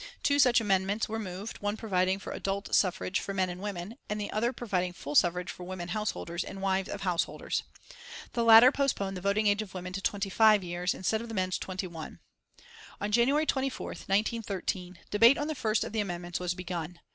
Two such amendments were moved, one providing for adult suffrage for men and women, and the other providing full suffrage for women householders and wives of householders. The latter postponed the voting age of women to twenty five years, instead of the men's twenty one. On January 24th, 1913, debate on the first of the amendments was begun.